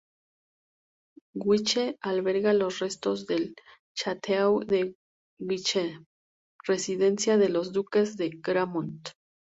Guiche alberga los restos del "château de Guiche", residencia de los duques de Gramont.